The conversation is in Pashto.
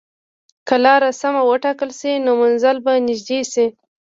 که لار سمه وټاکل شي، نو منزل به نږدې شي.